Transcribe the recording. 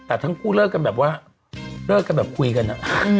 แต่ทั้งคู่เลิกกันแบบว่าเลิกกันแบบคุยกันอะ